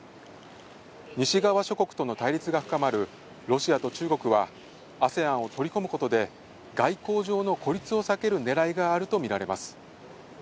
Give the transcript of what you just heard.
西側諸国との対立が深まるロシアと中国は、ＡＳＥＡＮを取り込むことで、外交上の孤立を避ける狙いがあると見られます。